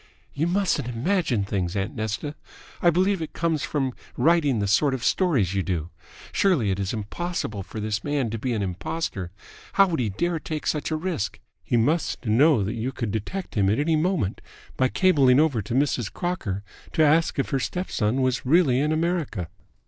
"You mustn't imagine things, aunt Nesta. I believe it comes from writing the sort of stories you do. Surely, it is impossible for this man to be an impostor. How would he dare take such a risk? He must know that you could detect him at any moment by cabling over to Mrs. Crocker to ask if her step son was really in America."